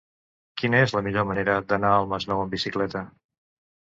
Quina és la millor manera d'anar al Masnou amb bicicleta?